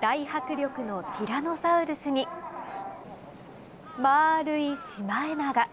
大迫力のティラノサウルスに、丸いシマエナガ。